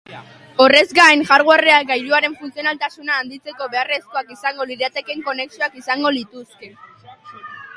Horrez gain, hardwareak gailuaren funtzionaltasuna handitzeko beharrezkoak izango liratekeen konexioak izango lituzke.